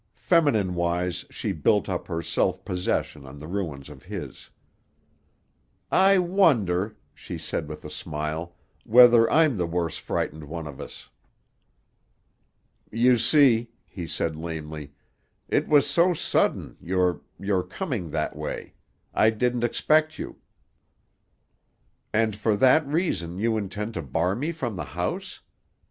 Feminine wise she built up her self possession on the ruins of his. "I wonder," she said with a smile, "whether I'm the worse frightened one of us." "You see," he said lamely, "it was so sudden, your—your coming that way. I didn't expect you." "And for that reason you intend to bar me from the house?